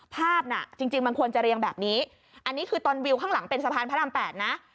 น่ะจริงมันควรจะเรียงแบบนี้อันนี้คือตอนวิวข้างหลังเป็นสะพานพระราม๘นะ